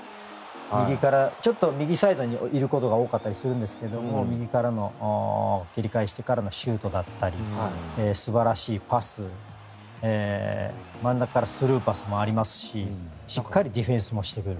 ちょっと右サイドにいることが多かったりするんですけど右からの切り返しからのシュートだったり素晴らしいパス真ん中からスルーパスもありますししっかりディフェンスもしてくれる。